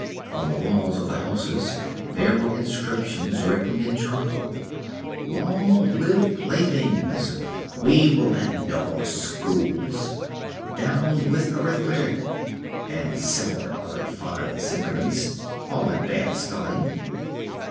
On the walls of the houses there were inscriptions written in charcoal: "Long live playthings, we will have no more schools; down with arithmetic," and similar other fine sentiments, all in bad spelling.